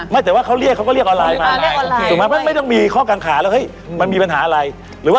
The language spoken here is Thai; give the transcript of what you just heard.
เกิดจากอะไรเกิดจากที่เราไปเจอเจ้าที่แต่ละโต๊ะ